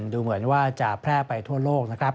ดูเหมือนว่าจะแพร่ไปทั่วโลกนะครับ